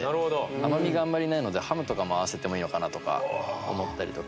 甘みがあんまりないのでハムとかも合わせてもいいのかなとか思ったりとか。